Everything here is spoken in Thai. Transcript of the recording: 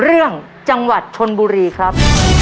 เรื่องจังหวัดชนบุรีครับ